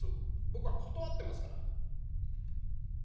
僕は断ってますから。